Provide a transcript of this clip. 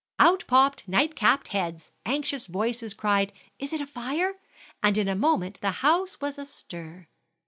Out popped night capped heads, anxious voices cried, "Is it fire?" and in a moment the house was astir.